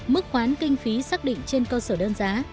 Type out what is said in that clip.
mức khoán kinh phí xác định trên cơ sở đơn giá